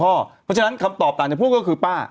เพราะฉะนั้นคำตอบต่างจะพูดก็คือป้า